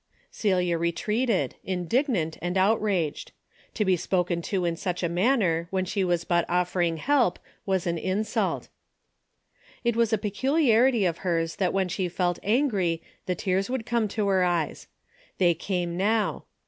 Celia retreated, indignant and outraged. To be spoken to in such a manner when she was but offering help was an insult. It was a peculiarity of hers that when she felt angry the tears would come to her eyes. They came now.